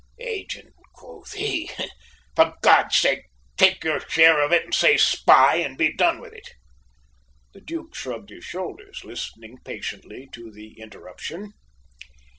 "Agent, quo' he! for God's sake take your share of it and say spy and be done with it!" The Duke shrugged his shoulders, listening patiently to the interruption.